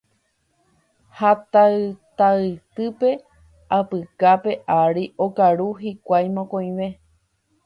ha tataypýpe apykape ári okaru hikuái mokõive.